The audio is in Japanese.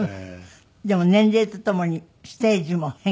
でも年齢とともにステージも変化している。